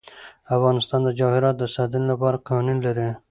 افغانستان د جواهرات د ساتنې لپاره قوانین لري.